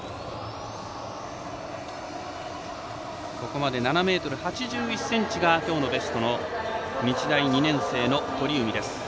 ここまで７ｍ８１ｃｍがきょうのベスト日大２年生の鳥海です。